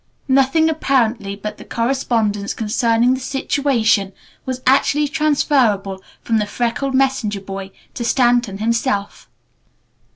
Nothing apparently but the correspondence concerning the situation was actually transferable from the freckled messenger boy to Stanton himself.